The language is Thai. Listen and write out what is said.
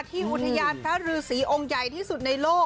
ที่อุทยานพระฤษีองค์ใหญ่ที่สุดในโลก